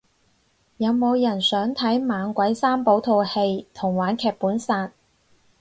有冇人想睇猛鬼三寶套戲同玩劇本殺